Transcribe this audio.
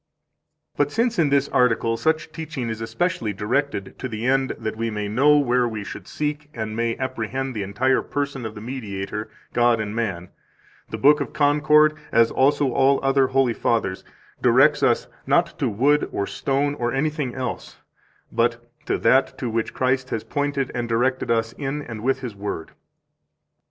177 But since in this article such teaching is especially directed to the end that we may know where we should seek and may apprehend the entire person of the Mediator, God and man, the Book of Concord, as also all other holy fathers, directs us, not to wood or stone or anything else, but to that to which Christ has pointed and directed us in and with His Word.